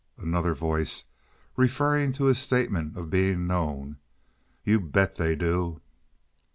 Another Voice (referring to his statement of being known). "You bet they do!"